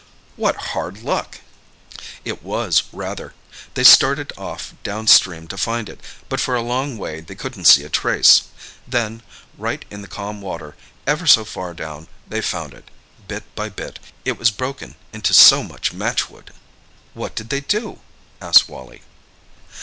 "What hard luck!" "It was rather. They started off down stream to find it, but for a long way they couldn't see a trace. Then, right in the calm water, ever so far down, they found it—bit by bit. It was broken into so much matchwood!" "What did they do?" asked Wally.